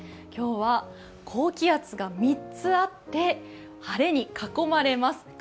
今日は高気圧が３つあって晴れに囲まれます。